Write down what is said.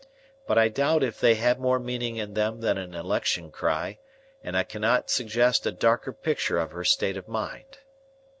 But I doubt if they had more meaning in them than an election cry, and I cannot suggest a darker picture of her state of mind.